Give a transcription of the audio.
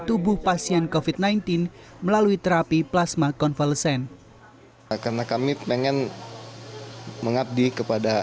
tubuh pasien kofit sembilan belas melalui terapi plasma konvalesen karena kami pengen mengabdi kepada